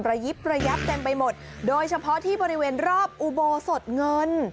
ยิบระยับเต็มไปหมดโดยเฉพาะที่บริเวณรอบอุโบสดเงิน